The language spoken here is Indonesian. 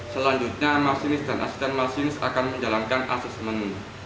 selanjutnya masinis dan asisten masinis akan menjalankan asesmen